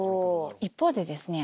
一方でですね